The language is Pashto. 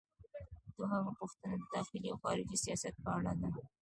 دوهمه پوښتنه د داخلي او خارجي سیاست په اړه ده.